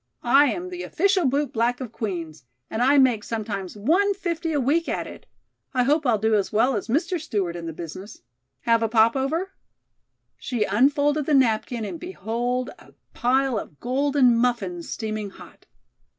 "I am the official bootblack of Queen's, and I make sometimes one fifty a week at it. I hope I'll do as well as Mr. Stewart in the business. Have a popover?" She unfolded the napkin and behold a pile of golden muffins steaming hot.